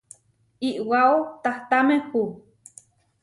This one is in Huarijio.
iʼwáo tahtámehu.